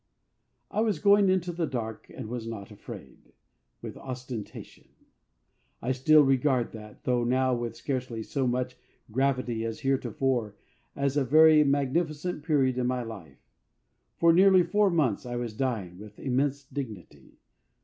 I was going into the dark and I was not afraid with ostentation. I still regard that, though now with scarcely so much gravity as heretofore, as a very magnificent period in my life. For nearly four months I was dying with immense dignity.